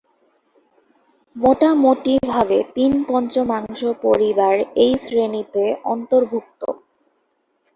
মোটামুটিভাবে তিন-পঞ্চমাংশ পরিবার এই শ্রেণীতে অর্ন্তভুক্ত।